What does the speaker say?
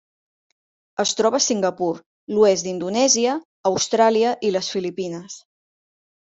Es troba a Singapur, l'oest d'Indonèsia, Austràlia i les Filipines.